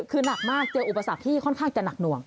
คือหนักมากเจออุปสรรคที่ค่อนข้างจะหนักหน่วง